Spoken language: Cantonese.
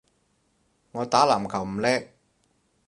我打籃球唔叻